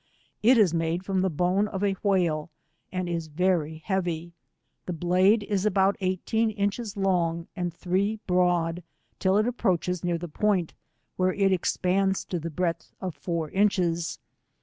It is made from the bone of a whale, and is very heavy. The blade is about eighteen inches long and three broad, till it approaches near the point, where it expands to the breadth of four inches.